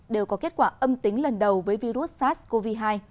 đều có kết quả âm tính lần đầu với virus sars cov hai